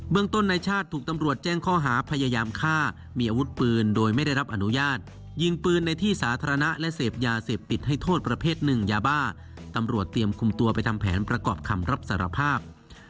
เมืองต้นนายชาติถูกตำรวจแจ้งข้อหาพยายามฆ่ามีอาวุธปืนโดยไม่ได้รับอนุญาตยิงปืนในที่สาธารณะและเสพยาเสพติดให้โทษประเภทหนึ่งยาบ้าตำรวจเตรียมคุมตัวไปทำแผนประกอบคำรับสารภาพ